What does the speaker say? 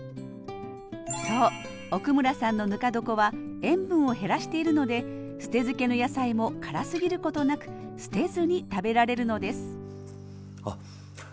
そう奥村さんのぬか床は塩分を減らしているので捨て漬けの野菜も辛すぎることなく捨てずに食べられるのですあっ